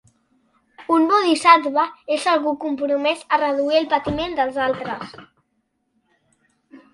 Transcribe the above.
Un bodhisattva és algú compromès a reduir el patiment dels altres.